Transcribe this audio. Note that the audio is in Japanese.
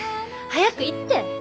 早く行って！